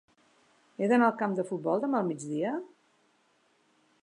He d'anar al camp de futbol demà al migdia?